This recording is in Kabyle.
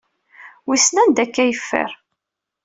Wissen anda akka ay yeffer.